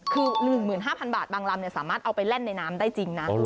คือ๑๕๐๐บาทบางลำสามารถเอาไปแล่นในน้ำได้จริงนะ